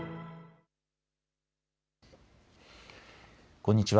こんにちは。